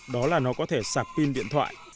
đó là nó có thể sạc pin điện thoại